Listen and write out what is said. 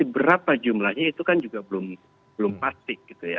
berapa jumlahnya itu kan juga belum patik